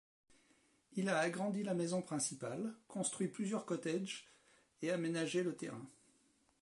Il a agrandi la maison principale, construit plusieurs cottages et aménagé le terrain.